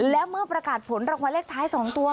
และเมื่อประกาศผลรางวัลเลขท้าย๒ตัว